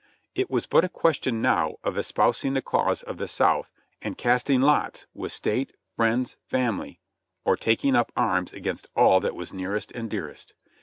It was but a ques tion now of espousing the cause of the South and casting lots with State, friends, family, or taking up arms against all that was near est and dearest.